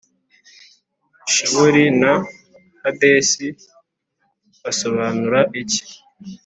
Shewoli na Hadesi bisobanura iki